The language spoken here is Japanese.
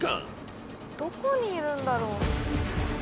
どこにいるんだろう。